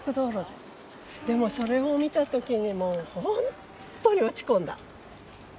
でもそれを見た時にもう本当に落ち込んだ。